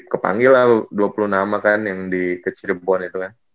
kepanggil lah dua puluh enam kan yang di kecil ribuan itu kan